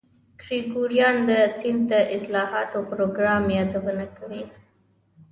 ګریګوریان د سید د اصلاحاتو پروګرام یادونه کوي.